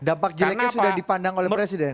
dampak jeleknya sudah dipandang oleh presiden